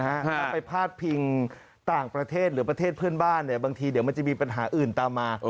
ถ้าไปพาดพิงต่างประเทศหรือประเทศเพื่อนบ้านบางทีเดี๋ยวมันจะมีปัญหาอื่นตามมา